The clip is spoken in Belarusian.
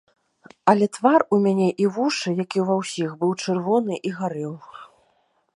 Але твар у мяне і вушы, як і ўва ўсіх, быў чырвоны і гарэў.